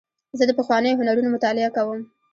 زه د پخوانیو هنرونو مطالعه کوم.